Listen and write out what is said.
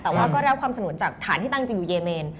แต่ว่าก็ได้รับความสนุนจากฐานที่ตั้งจริงอยู่เยเมน